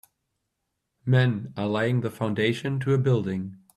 Men are laying the foundation to a building.